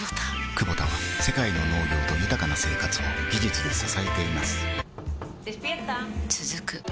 クボタは世界の農業と豊かな生活を技術で支えています起きて。